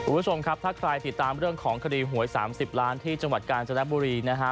คุณผู้ชมครับถ้าใครติดตามเรื่องของคดีหวย๓๐ล้านที่จังหวัดกาญจนบุรีนะฮะ